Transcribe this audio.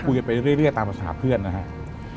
เฉียบไปเรียกตามภาษาเพื่อนนะครับ